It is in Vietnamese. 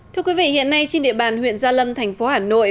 thưa quý vị hiện nay trên địa bàn huyện gia lâm thành phố hà nội